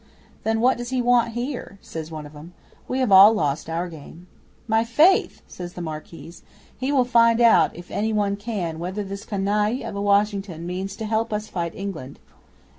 '"Then what does he want here?" says one of 'em. "We have all lost our game." '"My faith!" says the Marquise. "He will find out, if any one can, whether this canaille of a Washington means to help us to fight England.